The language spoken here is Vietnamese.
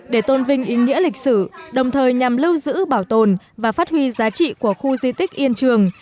để tôn vinh ý nghĩa lịch sử đồng thời nhằm lưu giữ bảo tồn và phát huy giá trị của khu di tích yên trường